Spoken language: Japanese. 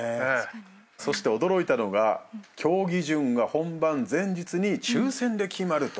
そして驚いたのが競技順が本番前日に抽選で決まると。